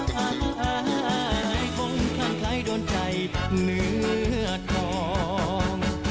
พร้อมทางใครโดนใจเหนือทอง